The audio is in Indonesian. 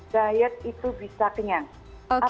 diet itu bisa kenyang